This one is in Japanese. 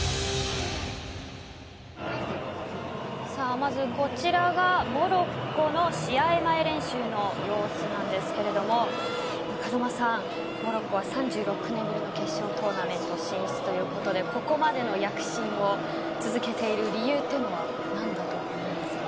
まず、こちらがモロッコの試合前練習の様子なんですが風間さん、モロッコは３６年ぶりの決勝トーナメント進出ということでここまでの躍進を続けている理由というのは何だと思いますか？